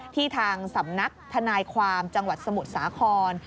ทางสำนักทนายความจังหวัดสมุทรสาคร